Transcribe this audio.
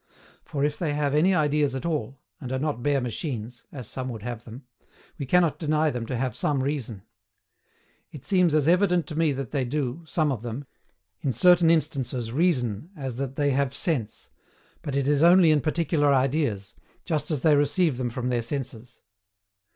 For, if they have any ideas at all, and are not bare machines (as some would have them), we cannot deny them to have some reason. It seems as evident to me that they do, some of them, in certain instances reason as that they have sense; but it is only in particular ideas, just as they receive them from their senses.